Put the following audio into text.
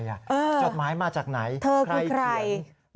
จดหมายมาจากไหนใครเขียน